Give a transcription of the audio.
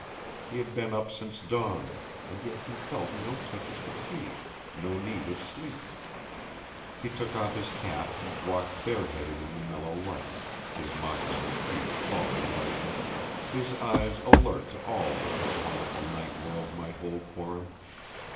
He had been up since dawn, and yet he felt no touch of fatigue, no need of sleep. He took off his cap and walked bareheaded in the mellow light, his moccasined feet falling lightly, his eyes alert to all that this wonderful night world might hold for him.